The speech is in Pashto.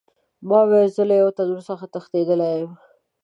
ما ویل زه له یو تنور څخه تښتېدلی یم.